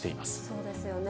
そうですよね。